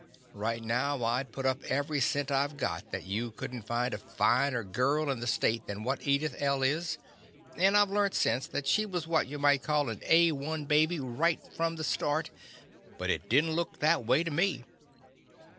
Right now I 'd put up every cent I 've got that you could n't find a finer girl in the state than what Edith L. is, and I 've learned since that she was what you might call an A i baby right from 'the start, but it did n't look that way The Confessions of a Daddy to me.